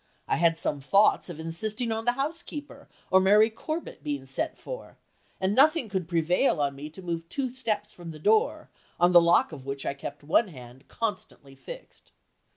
I had some thoughts of insisting on the housekeeper or Mary Corbett being sent for, and nothing could prevail on me to move two steps from the door, on the lock of which I kept one hand constantly fixed."